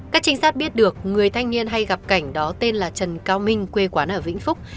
các trinh sát biết được người thanh niên hay gặp cảnh đó tên là trần cao minh quê quán ở vĩnh phúc